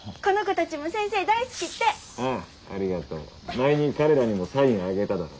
前に彼らにもサインあげただろう。